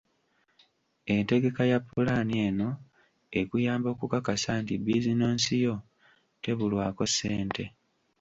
Entegeka ya pulaani eno ekuyamba okukakasa nti bizinensi yo tebulwako ssente.